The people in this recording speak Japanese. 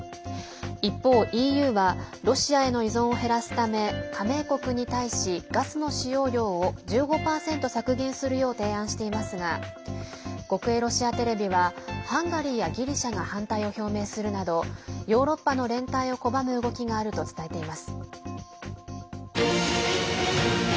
一方、ＥＵはロシアへの依存を減らすため加盟国に対し、ガスの使用量を１５％削減するよう提案していますが国営ロシアテレビはハンガリーやギリシャが反対を表明するなどヨーロッパの連帯を拒む動きがあると伝えています。